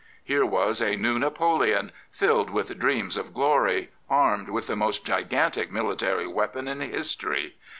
Here was a new Napoleon, filled with dreams of glory, armed with the most gigantic military weapon in history.